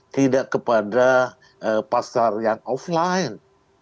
tidak kepada pasar yang offline